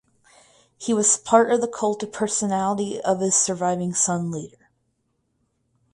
He was part of the cult of personality of his surviving son later.